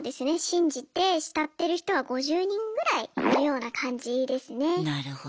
信じて慕ってる人は５０人ぐらいいるような感じですね。